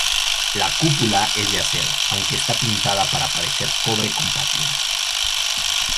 La cúpula es de acero, aunque está pintada para parecer cobre con pátina.